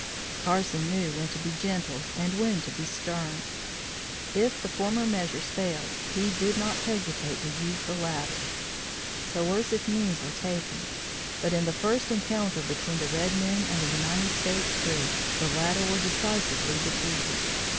Carson knew when to be gentle and when to be stern. If the former measures failed, he did not hesitate to use the latter. Coercive means were taken, but, in the first encounter between the red men and the United States troops, the latter were decisively defeated.